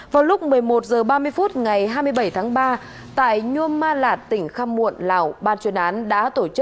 vào lúc một mươi một h ba mươi phút ngày hai mươi bảy tháng ba tại nhôm ma lạt tỉnh kham muộn lào